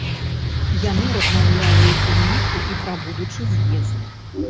Яны размаўлялі ў тым ліку і пра будучы з'езд.